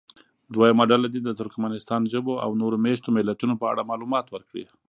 دویمه ډله دې د ترکمنستان ژبو او نورو مېشتو ملیتونو په اړه معلومات ورکړي.